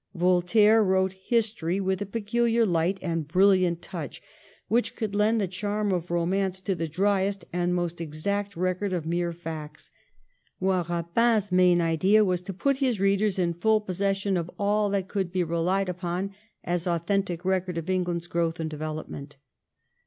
Voltaire wrote history with a peculiarly light and brilliant touch which could lend the charm of romance to the driest and most exact record of mere facts, while Eapin's main idea was to put his readers in full possession of all that could be relied upon as authentic record of England's growth and development.